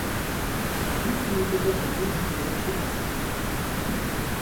Zu viele Fischer versuchen, dieselben Fischarten zu fangen.